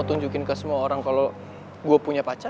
gue tunjukin ke semua orang kalo gue punya pacar